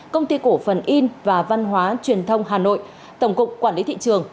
công ty cổ phần in và văn hóa truyền thông hà nội tổng cục quản lý thị trường